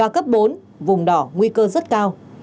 cấp bốn vùng đỏ nguy cơ rất cao